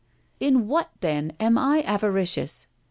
In what then am I avaricious?